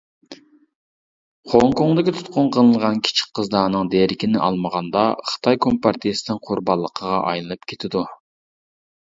خوڭكوڭدىكى تۇتقۇن قىلىنغان كىچىك قىزلارنىڭ دېرىكىنى ئالمىغاندا، خىتاي كومپارتىيەسىنىڭ قۇربانلىقىغا ئايلىنىپ كېتىدۇ.